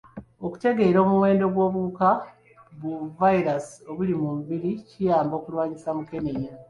Okutegeera omuwendo gw'obuwuka bu vayiraasi obuli mu mubiri kiyamba okulwanyisa mukenenya.